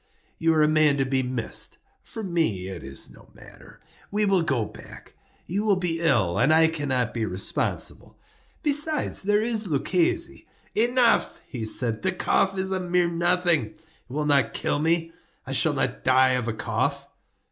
You are a man to be missed. For me it is no matter. We will go back; you will be ill, and I cannot be responsible. Besides, there is Luchesi—" "Enough," he said; "the cough is a mere nothing; it will not kill me. I shall not die of a cough."